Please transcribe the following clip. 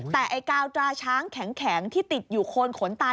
แต่ไอ้กาวตราช้างแข็งที่ติดอยู่โคนขนตา